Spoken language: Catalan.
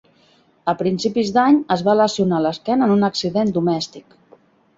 A principis d'any es va lesionar l'esquena en un accident domèstic.